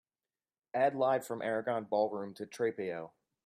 Add Live from Aragon Ballroom to Trapeo